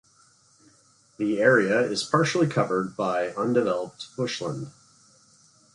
The area is partially covered by undeveloped bushland.